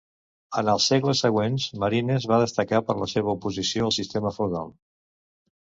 En els segles següents Marines va destacar per la seva oposició al sistema feudal.